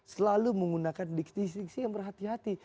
selalu menggunakan distriksi yang berhati hati